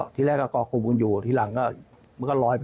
กรอกที่แรกกรอกกลุ่มคนอยู่ที่หลังก็ร้อยไปคนละท้าน